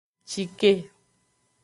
Cike.